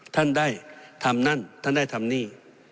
ท่านได้ทำนั่นท่านได้ทำนี่